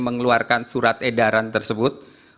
mengeluarkan surat edaran tersebut